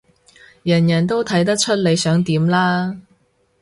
人人都睇得出你想點啦